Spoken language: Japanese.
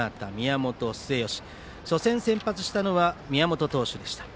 初戦先発したのは宮本投手でした。